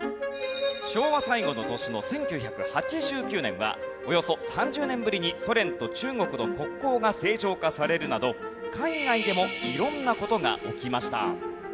昭和最後の年の１９８９年はおよそ３０年ぶりにソ連と中国の国交が正常化されるなど海外でも色んな事が起きました。